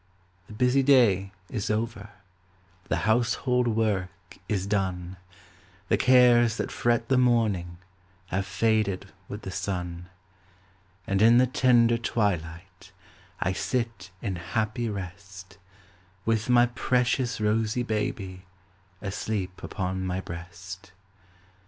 The busy day is over, The household work is done; The cares that fret the morning Have faded with the sun; And in the tender twilight, I sit in happy rest, With my precious rosy baby Asleep upon my breast.